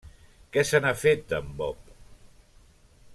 Què se n'ha fet d'en Bob?